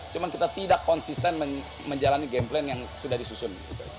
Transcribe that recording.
cuma kita tidak konsisten menjalani game plan yang sudah disusun